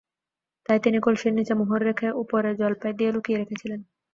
তাই তিনি কলসির নিচে মোহর রেখে ওপরে জলপাই দিয়ে লুকিয়ে রেখেছিলেন।